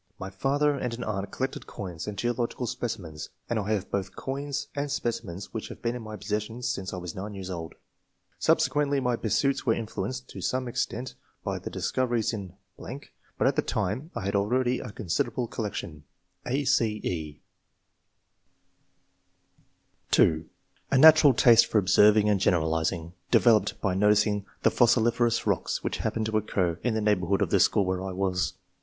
My father and an aunt collected coins and geological specimens, and I have both coins and specimens which have been in my pos session since I was 9 years old. Subsequently my pursuits were influenced to some extent by the discoveries in ...., but at that M 162 ENGLISH MEN OF SCIENCE. [chap. time I had already a considerable coUection" (a, c, e) (2) "A natural taste for observing and generalizing, developed by noticing the fossili ferous rocks which happened to occur in the neighbourhood of the school where I was.